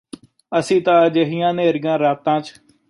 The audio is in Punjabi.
ਅਸੀ ਤਾਂ ਅਜੇਹੀਆਂ ਨੇਰੀਆਂ ਰਾਤਾਂ ਚ